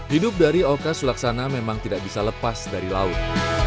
hidup dari oka sulaksana memang tidak bisa lepas dari laut